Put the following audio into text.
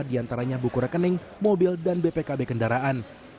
diantaranya buku rekening mobil dan bpkb kendaraan